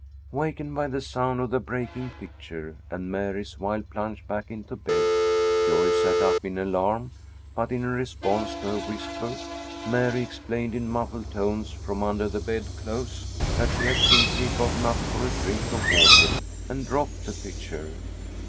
Wakened by the sound of the breaking pitcher and Mary's wild plunge back into bed, Joyce sat up in alarm, but in response to her whisper Mary explained in muffled tones from under the bedclothes that she had simply gotten up for a drink of water and dropped the pitcher.